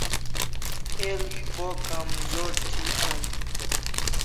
El'i bo kamzor thi an